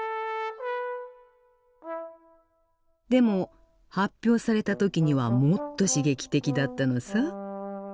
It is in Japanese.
でも発表された時にはもっと刺激的だったのさ。